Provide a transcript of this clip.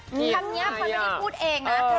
คำนี้คำนี้พูดเองนะครับ